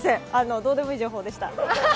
どうでもいい情報でした。